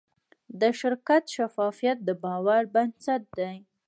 د شرکت شفافیت د باور بنسټ دی.